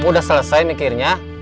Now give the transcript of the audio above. kamu udah selesai mikirnya